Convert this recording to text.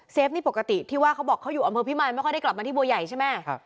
นี่ปกติที่ว่าเขาบอกเขาอยู่อำเภอพิมายไม่ค่อยได้กลับมาที่บัวใหญ่ใช่ไหม